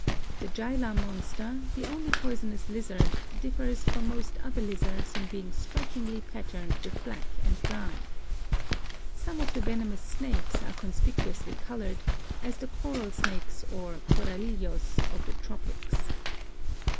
The Gila Monster, the only poison ous lizard, differs from most other lizards in being strik ingly patterned with black and brown. Some of the venomous snakes are conspicuously colored, as the coral snakes or coralillos of the tropics.